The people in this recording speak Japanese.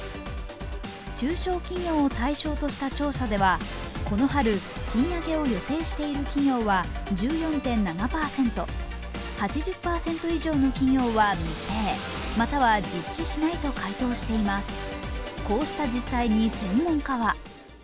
中小企業を対象とした調査ではこの春賃上げを予定している企業は１４．７％８０％以上の企業は未定、または実施しないと回答しています。